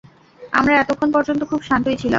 আমরা এতক্ষণ পর্যন্ত খুব শান্তই ছিলাম।